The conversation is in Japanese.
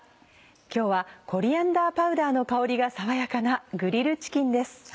今日はコリアンダーパウダーの香りが爽やかなグリルチキンです。